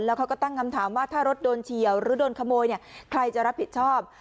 แล้วเขาก็ตั้งคำถามว่าถ้ารถโดนเฉียวหรือโดนขโมยเนี่ยใครจะรับผิดชอบ